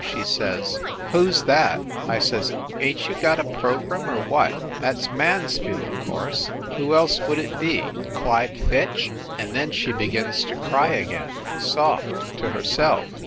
She says, "Who s that?" I says, "Ain t you got a program, or what? That s Mansfield, o course ! Who else would it be Clyde Fitch ?" And then she begins to cry again, soft, to herself.